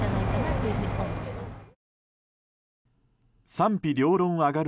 賛否両論挙がる